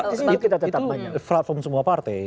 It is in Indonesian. itu platform semua partai